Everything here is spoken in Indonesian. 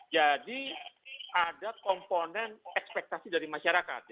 jadi ada komponen ekspektasi dari masyarakat